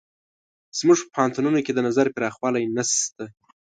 زموږ په پوهنتونونو کې د نظر پراخوالی نشته.